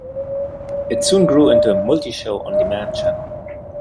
It soon grew into a multi-show on demand channel.